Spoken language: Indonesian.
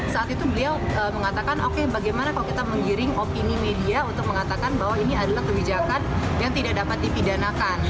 saat itu beliau mengatakan oke bagaimana kalau kita menggiring opini media untuk mengatakan bahwa ini adalah kebijakan yang tidak dapat dipidanakan